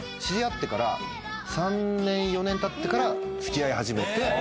知り合ってから３年４年たってから付き合い始めて」